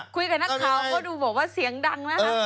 คุยกับนักข่าวก็ดูบอกว่าเสียงดังนะคะ